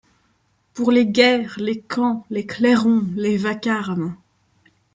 Pour les guerres, les camps, les clairons, les vacarmes